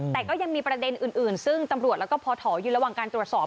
แต่ก็ยังมีประเด็นอื่นซึ่งตำรวจแล้วก็พอถอยืนระหว่างการตรวจสอบ